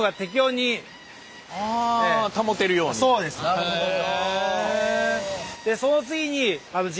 なるほど。